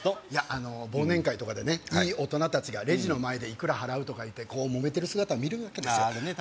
いやあの忘年会とかでねいい大人達がレジの前でいくら払うとか言ってモメてる姿を見るわけですよ